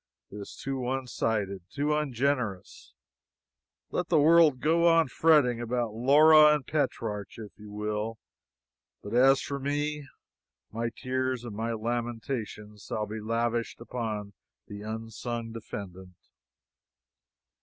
It is too one sided too ungenerous. Let the world go on fretting about Laura and Petrarch if it will; but as for me, my tears and my lamentations shall be lavished upon the unsung defendant.